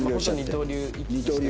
二刀流。